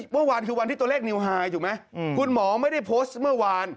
เมื่อวานคือวันที่ตัวเลขนิวไฮถูกไหมคุณหมอไม่ได้โพสต์เมื่อวาน